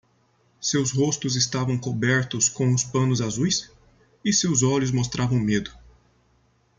Seus rostos estavam cobertos com os panos azuis? e seus olhos mostravam medo.